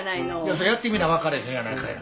そりゃやってみな分かれへんやないかいな。